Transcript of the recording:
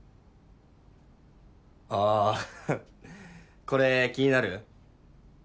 ああこれ気になる？